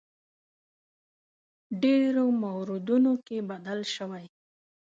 ډېرو موردونو کې بدل شوی.